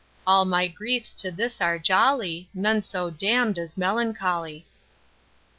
All my griefs to this are jolly, None so damn'd as melancholy.